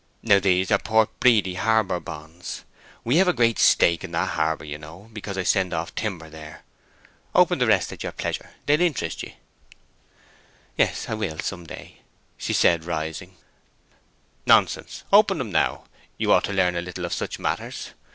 Now these are Port Breedy Harbor bonds. We have a great stake in that harbor, you know, because I send off timber there. Open the rest at your pleasure. They'll interest ye." "Yes, I will, some day," said she, rising. "Nonsense, open them now. You ought to learn a little of such matters.